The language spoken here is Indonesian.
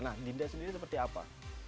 nah dinda sendiri seperti apa